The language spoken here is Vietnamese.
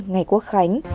ngày quốc khánh